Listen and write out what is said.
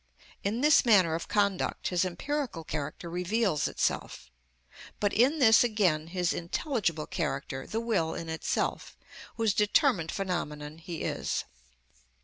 In this manner of conduct his empirical character reveals itself, but in this again his intelligible character, the will in itself, whose determined phenomenon he is.